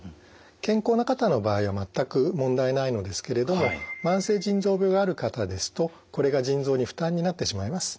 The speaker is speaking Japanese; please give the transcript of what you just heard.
健康な方の場合は全く問題ないのですけれども慢性腎臓病がある方ですとこれが腎臓に負担になってしまいます。